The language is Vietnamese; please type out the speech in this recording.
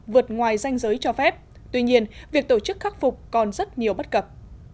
vượt ngoài danh giới cho phép tuy nhiên việc tổ chức khắc phục còn rất nhiều bất cập